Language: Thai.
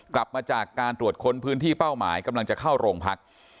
กลับมาจากการตรวจค้นพื้นที่เป้าหมายกำลังจะเข้าโรงพัก